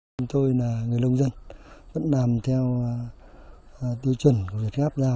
chúng tôi là người nông dân vẫn làm theo tiêu chuẩn của việt gap ra